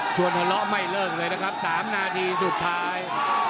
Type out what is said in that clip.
ทะเลาะไม่เลิกเลยนะครับ๓นาทีสุดท้าย